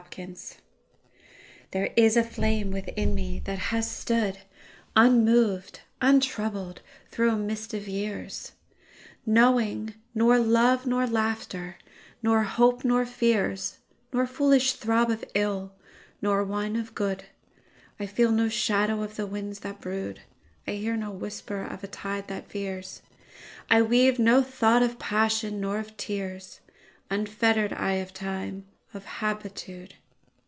Quiet THERE is a flame within me that has stoodUnmoved, untroubled through a mist of years, Knowing nor love nor laughter, hope nor fears, Nor foolish throb of ill, nor wine of good.I feel no shadow of the winds that brood,I hear no whisper of a tide that veers,I weave no thought of passion, nor of tears, Unfettered I of time, of habitude.